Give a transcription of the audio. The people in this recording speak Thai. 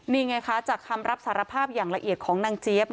นี่ไงคะจากคำรับสารภาพอย่างละเอียดของนางเจี๊ยบ